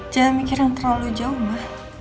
jangan mikir yang terlalu jauh mbak